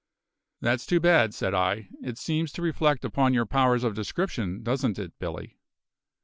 "That's too bad," said I. "It seems to reflect upon your powers of description, doesn't it, Billy?"